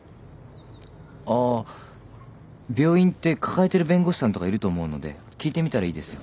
あ病院って抱えてる弁護士さんとかいると思うので聞いてみたらいいですよ。